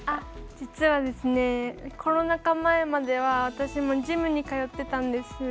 実はコロナ禍前までは私もジムに通っていたんです。